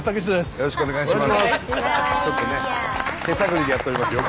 よろしくお願いします！